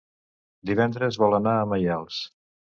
Divendres vol anar a Maials.